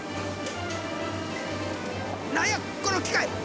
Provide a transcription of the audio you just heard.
何やこの機械！？